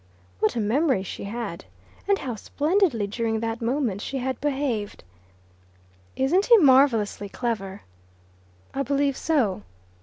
What a memory she had! And how splendidly during that moment she had behaved! "Isn't he marvellously clever?" "I believe so."